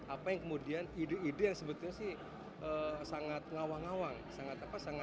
apa yang kemudian ide ide yang sebetulnya sih sangat ngawang awang